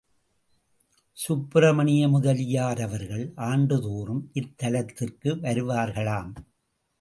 சுப்பிரமணிய முதலியார் அவர்கள், ஆண்டு தோறும் இத்தலத்திற்கு வருவார்களாம்.